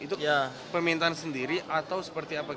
itu permintaan sendiri atau seperti apa